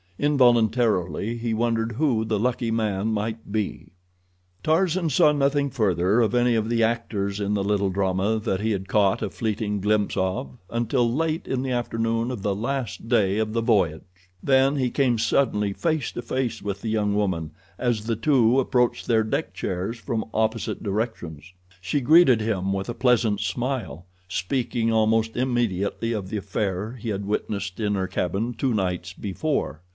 Involuntarily he wondered who the lucky man might be. Tarzan saw nothing further of any of the actors in the little drama that he had caught a fleeting glimpse of until late in the afternoon of the last day of the voyage. Then he came suddenly face to face with the young woman as the two approached their deck chairs from opposite directions. She greeted him with a pleasant smile, speaking almost immediately of the affair he had witnessed in her cabin two nights before.